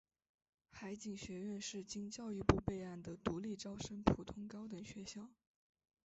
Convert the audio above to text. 海警学院是经教育部备案的独立招生普通高等学校。